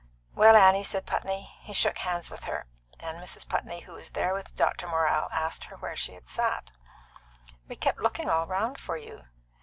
"Well, Annie," said Putney. He shook hands with her, and Mrs. Putney, who was there with Dr. Morrell, asked her where she had sat. "We kept looking all round for you."